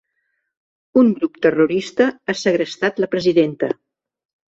Un grup terrorista ha segrestat la presidenta.